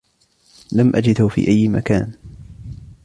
لم أجده في أي مكان.